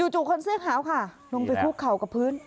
จู่คนเสื้อขาวค่ะลงไปคุกเข่ากับพื้น